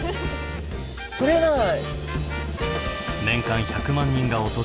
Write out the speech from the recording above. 取れない？